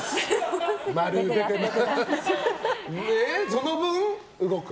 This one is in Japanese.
その分、動く？